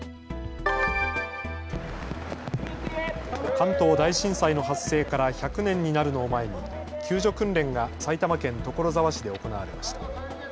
関東大震災の発生から１００年になるのを前に救助訓練が埼玉県所沢市で行われました。